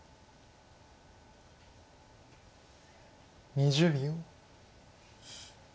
２０秒。